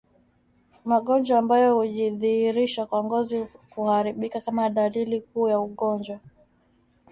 Magonjwa ambayo hujidhihirisha kwa ngozi kuharibika kama dalili kuu ya ugonjwa